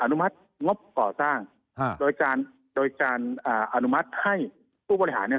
อนุมัติงบก่อสร้างโดยการอนุมัติให้ผู้บริหารเนี่ย